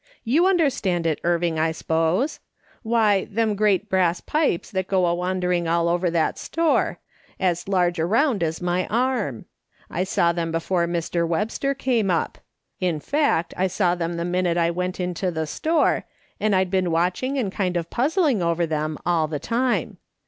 You understand it, Irving, I s'pose ? Why, them great brass pipes that go wandering all over that store, as large around as my arm. I saw them before Mr. Webster came up ; in fact, I saw them the minute I went into the store, and I'd been watching and kind of puzzling over them all the time.